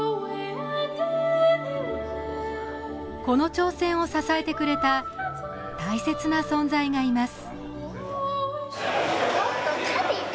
この挑戦を支えてくれた大切な存在がいます